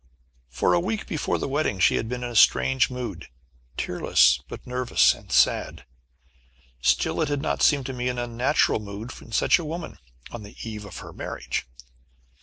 For a week before the wedding she had been in a strange mood, tearless, but nervous, and sad! Still, it had not seemed to me an unnatural mood in such a woman, on the eve of her marriage.